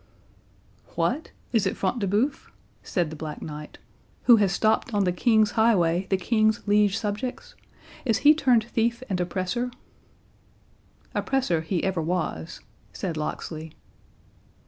"What! is it Front de Bœuf," said the Black Knight, "who has stopt on the king's highway the king's liege subjects?—Is he turned thief and oppressor?" "Oppressor he ever was," said Locksley.